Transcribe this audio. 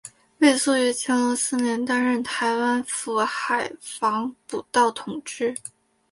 魏素于乾隆四年担任台湾府海防补盗同知。